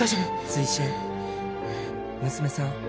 「追伸娘さん」